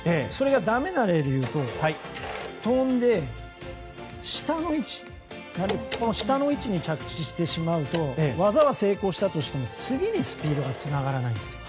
だめな例で言うと跳んで、坂の下の位置に着地してしまうと技は成功したとしても次にスピードがつながらないんです。